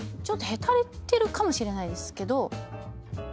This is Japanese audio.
ちょっとへたれてるかもしれないですけど。